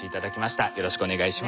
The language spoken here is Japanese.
よろしく願いします。